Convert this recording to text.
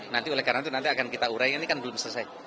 nanti oleh karena itu nanti akan kita urai ini kan belum selesai